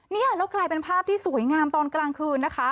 นี่แล้วกลายเป็นภาพที่สวยงามตอนกลางคืนนะคะ